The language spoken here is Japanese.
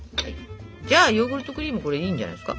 じゃあヨーグルトクリームこれいいんじゃないですか？